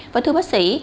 và thưa bác sĩ